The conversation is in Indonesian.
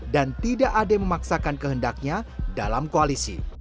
dan tidak ada yang memaksakan kehendaknya dalam koalisi